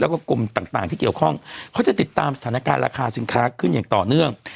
แล้วก็กรมต่างที่เกี่ยวข้องเขาจะติดตามสถานการณ์ราคาสินค้าขึ้นอย่างต่อเนื่อง